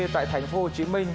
tại thành phố hồ chí minh